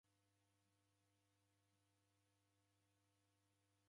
Mshiko wanona nyumba yake.